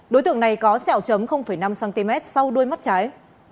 đối tượng này có sẹo chấm năm cm sau đuôi mắt trái